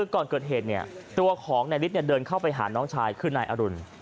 ก่อนเกิดเหตุตัวของนายฤทธิ์เดินเข้าไปหาน้องชายคือนายอรุณ